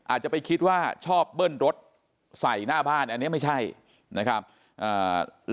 อาจจะไปคิดว่าชอบเบิ้ลรถใส่หน้าบ้านอันนี้ไม่ใช่นะครับอ่า